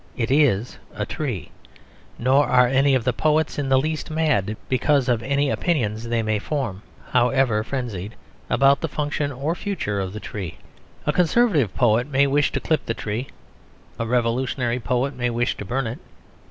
It is a tree. Nor are any of the poets in the least mad because of any opinions they may form, however frenzied, about the functions or future of the tree. A conservative poet may wish to clip the tree; a revolutionary poet may wish to burn it.